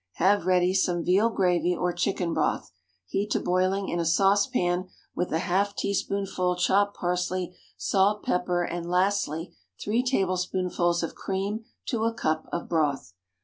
Have ready some veal gravy or chicken broth; heat to boiling in a saucepan with a half teaspoonful chopped parsley, salt, pepper, and lastly three tablespoonfuls of cream to a cup of broth.